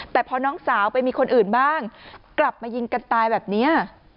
แต่พอน้องสาวไปมีคนอื่นบ้างกลับมายิงกันตายแบบนี้